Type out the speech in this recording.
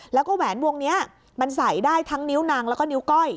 แล้วก็แหวนวงนี้มันใส่ได้ทั้งนิ้วนางแล้วก็นิ้วก้อย